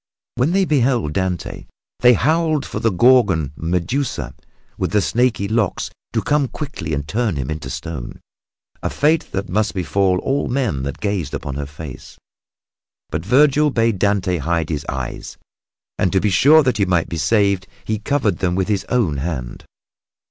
When they beheld Dante they howled for the Gorgon, Medusa, with the snaky locks to come quickly and turn him into stone a fate that must befall all men that gazed upon her face. But Vergil bade Dante hide his eyes, and to be sure that he might be saved he covered them with his own hand.